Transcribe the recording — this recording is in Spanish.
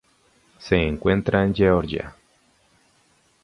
Se encuentra en Georgia